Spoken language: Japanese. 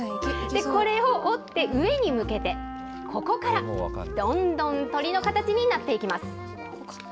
これを折って上に向けて、ここからどんどん鳥の形になっています。